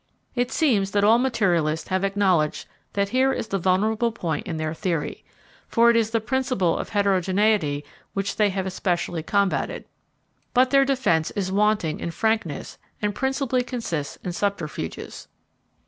It seems that all materialists have acknowledged that here is the vulnerable point in their theory, for it is the principle of heterogeneity which they have especially combated. But their defence is wanting in frankness, and principally consists in subterfuges.